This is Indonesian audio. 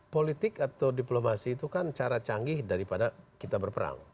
politik atau diplomasi itu kan cara canggih daripada kita berperang